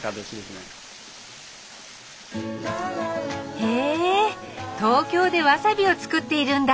へえ東京でわさびを作っているんだ。